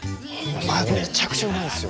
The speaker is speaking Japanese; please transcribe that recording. めちゃくちゃうまいんですよ。